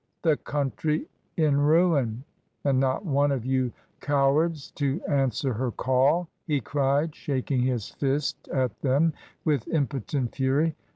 "The country in ruin, and not one of you cowards to answer her call," he cried, shaking 238 MRS. DYMOND. his fist at them with impotent fury.